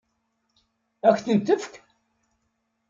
Ad k-ten-tefk?